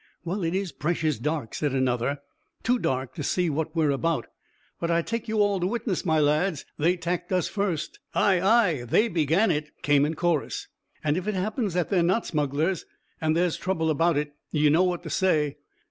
"Well, it is precious dark," said another. "Too dark to see what we are about. But I take you all to witness, my lads, they 'tacked us first." "Ay, ay: they began it," came in chorus. "And if it happens that they are not smugglers, and there's trouble about it, you know what to say."